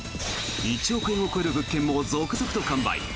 １億円を超える物件も続々と完売。